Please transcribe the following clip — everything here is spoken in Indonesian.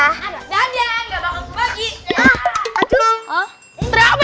jangan ya gak bakal aku bagi